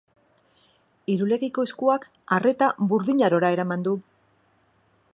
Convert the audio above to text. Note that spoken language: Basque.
Irulegiko eskuak arreta Burdin Arora eraman du.